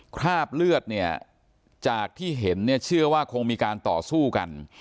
คราบเลือดเนี่ยจากที่เห็นเนี่ยเชื่อว่าคงมีการต่อสู้กัน